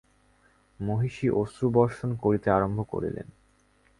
মহিষী অশ্রুবর্ষণ করিতে আরম্ভ করিলেন।